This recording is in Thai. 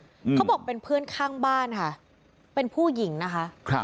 เขาบอกเป็นเพื่อนข้างบ้านค่ะเป็นผู้หญิงนะคะครับ